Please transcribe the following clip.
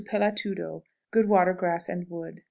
Pelatudo. Good water, grass, and wood.